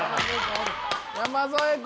山添君や！